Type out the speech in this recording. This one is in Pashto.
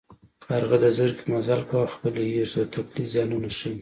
کارغه د زرکې مزل کاوه خپل یې هېر شو د تقلید زیانونه ښيي